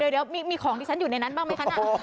เดี๋ยวมีของที่ฉันอยู่ในนั้นบ้างไหมคะน่ะ